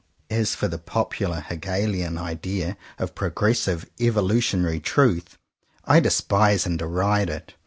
As for the popular Hegelian idea of 46 JOHN COWPER POWYS progressive evolutionary truth, I despise and deride it.